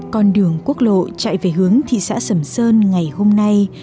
con đường quốc lộ chạy về hướng thị xã sầm sơn ngày hôm nay